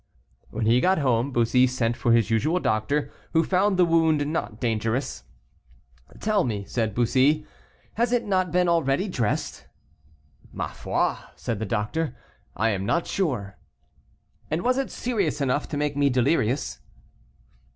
When he got home, Bussy sent for his usual doctor, who found the wound not dangerous. "Tell me," said Bussy, "has it not been already dressed?" "Ma foi," said the doctor, "I am not sure." "And was it serious enough to make me delirious?"